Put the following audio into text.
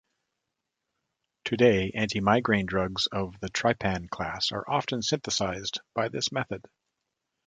Today antimigraine drugs of the triptan class are often synthesized by this method.